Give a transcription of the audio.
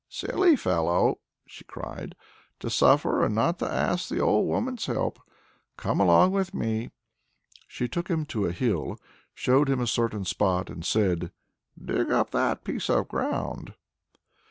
"Silly fellow!" she cried, "to suffer, and not to ask the old woman's help! Come along with me." She took him to a hill, showed him a certain spot, and said: "Dig up that piece of ground."